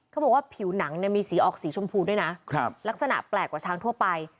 เขาบอกว่าผิวหนังมีสีออกสีชมพูด้วยนะลักษณะแปลกกว่าช้างทั่วไป